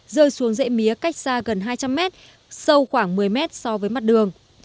rơi xuống dễ mía cách xa gần hai trăm linh m sâu khoảng một mươi m so với mặt đường